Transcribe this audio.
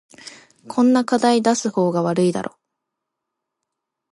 こんな課題出す方が悪いだろ